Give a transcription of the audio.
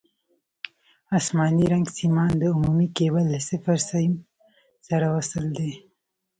اسماني رنګ سیمان د عمومي کیبل له صفر سیم سره وصل دي.